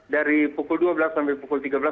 dari pukul dua belas sampai pukul tiga belas